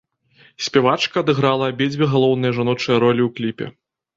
Спявачка адыграла абедзве галоўныя жаночыя ролі ў кліпе.